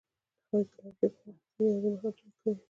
هغوی د لرګی په خوا کې تیرو یادونو خبرې کړې.